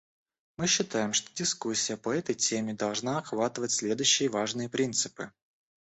Мы считаем, что дискуссия по этой теме должна охватывать следующие важные принципы: